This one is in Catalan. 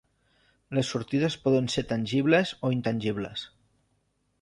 Les sortides poden ser tangibles o intangibles.